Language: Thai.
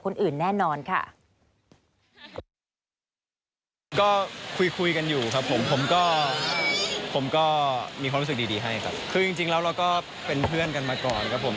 คือจริงแล้วเราก็เป็นเพื่อนกันมาก่อนครับผม